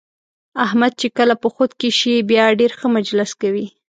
احمد چې کله په خود کې شي بیا ډېر ښه مجلس کوي.